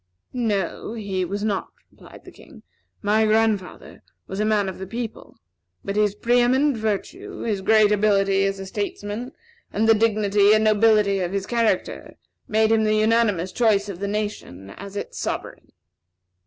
"No; he was not," replied the King. "My grandfather was a man of the people; but his pre eminent virtue, his great ability as a statesman, and the dignity and nobility of his character made him the unanimous choice of the nation as its sovereign."